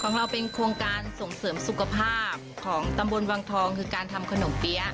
ของเราเป็นโครงการส่งเสริมสุขภาพของตำบลวังทองคือการทำขนมเปี๊ยะ